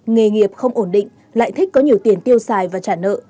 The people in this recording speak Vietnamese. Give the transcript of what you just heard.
nghề nghiệp không ổn định lại thích có nhiều tiền tiêu xài và trả nợ